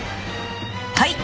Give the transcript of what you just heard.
はい！